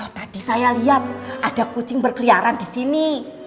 tadi saya lihat ada kucing berkeliaran disini